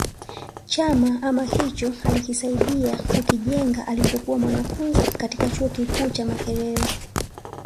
Chama ama hicho alikisaidia kukijenga alipokuwa mwanafunzi katika chuo kikuu cha Makerere